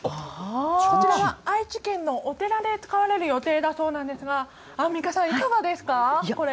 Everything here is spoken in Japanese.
こちらは愛知県のお寺で使われる予定だそうなんですがアンミカさんいかがですかこれ。